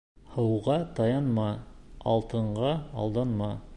Һыуға таянма, алтынға алданма.